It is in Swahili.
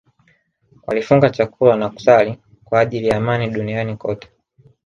Walifunga chakula na kusali kwa ajili ya amani duniani kote